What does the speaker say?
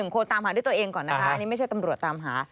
คนตามหาด้วยตัวเองก่อนนะคะอันนี้ไม่ใช่ตำรวจตามหา